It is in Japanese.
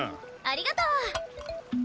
ありがとう。